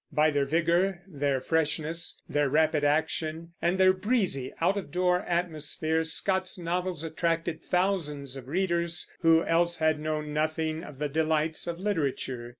By their vigor, their freshness, their rapid action, and their breezy, out of door atmosphere, Scott's novels attracted thousands of readers who else had known nothing of the delights of literature.